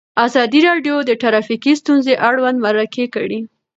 ازادي راډیو د ټرافیکي ستونزې اړوند مرکې کړي.